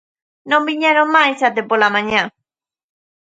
Non viñeron máis até pola mañá.